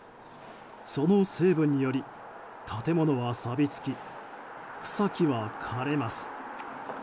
その成分により、建物はさびつき草木は枯れます。